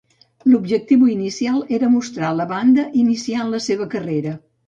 L'objectiu inicial era mostrar la banda iniciant la seva carrera.